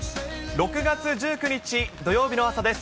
６月１９日土曜日の朝です。